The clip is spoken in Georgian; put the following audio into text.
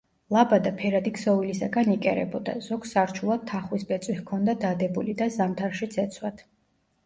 ლაბადა ფერადი ქსოვილისაგან იკერებოდა, ზოგს სარჩულად თახვის ბეწვი ჰქონდა დადებული და ზამთარშიც ეცვათ.